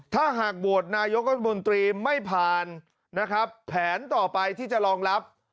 ถ้าหากโหวตนายกรัฐมนตรีไม่ผ่านนะครับแผนต่อไปที่จะรองรับ